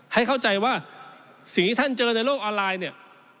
ให้เข้าใจว่าสิ่งที่ท่านเจอในโลกออนไลน์เนี่ย